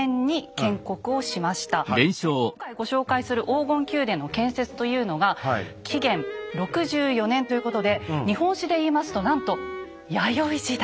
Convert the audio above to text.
で今回ご紹介する黄金宮殿の建設というのが紀元６４年ということで日本史で言いますとなんと弥生時代。